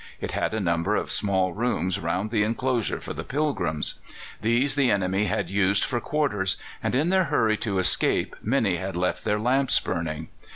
It had a number of small rooms round the enclosure for the pilgrims. These the enemy had used for quarters, and in their hurry to escape many had left their lamps burning.